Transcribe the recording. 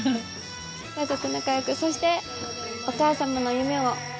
家族仲良くそしてお母様の夢を。